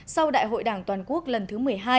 sau đại hội đảng toàn quốc lần thứ một mươi hai